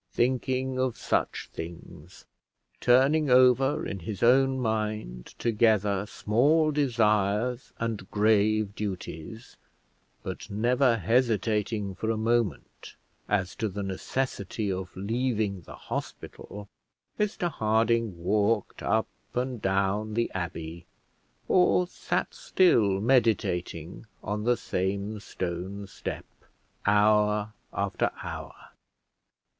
Thinking of such things, turning over in his own mind together small desires and grave duties, but never hesitating for a moment as to the necessity of leaving the hospital, Mr Harding walked up and down the abbey, or sat still meditating on the same stone step, hour after hour.